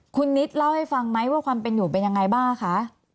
คุณนิดเล่าให้ฟังไหมว่าความเป็นอยู่เป็นยังไงบ้างคะ